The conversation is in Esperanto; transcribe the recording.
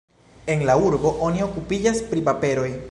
En la urbo oni okupiĝas pri paperoj.